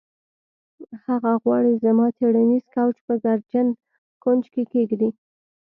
هغه غواړي زما څیړنیز کوچ په ګردجن کونج کې کیږدي